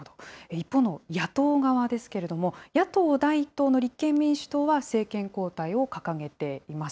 一方の野党側ですけれども、野党第１党の立憲民主党は政権交代を掲げています。